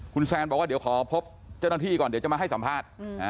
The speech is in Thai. คุณแซนบอกว่าเดี๋ยวขอพบเจ้าหน้าที่ก่อนเดี๋ยวจะมาให้สัมภาษณ์